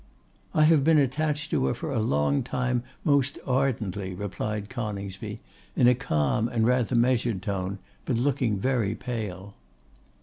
'I have been attached to her for a long time most ardently,' replied Coningsby, in a calm and rather measured tone, but looking very pale.